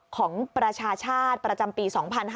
ของประชาชาติประจำปี๒๕๕๙